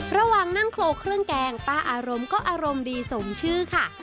ระหว่างนั่งโครเครื่องแกงป้าอารมณ์ก็อารมณ์ดีสมชื่อค่ะ